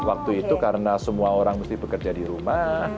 waktu itu karena semua orang mesti bekerja di rumah